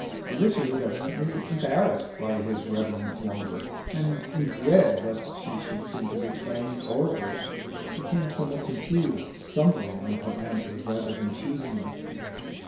Felicia was evidently embarrassed by his reverent wonder, and, in dread lest she should seem to be playing the oracle, became somewhat confused, stumbling on her answers rather than choosing them.